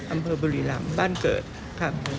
อำเภอบุรีรำบ้านเกิดครับ